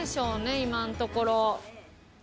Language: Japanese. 今のところ。